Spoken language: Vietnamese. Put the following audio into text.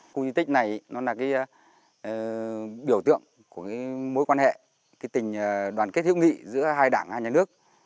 khu di tích này nó là biểu tượng của mối quan hệ tình đoàn kết hữu nghị giữa hai đảng hai nhà nước